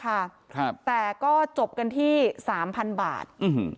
ครับแต่ก็จบกันที่สามพันบาทอืม